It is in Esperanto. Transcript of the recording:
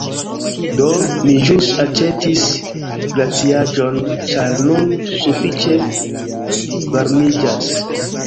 Do, mi ĵus aĉetis glaciaĵon ĉar nun sufiĉe varmiĝas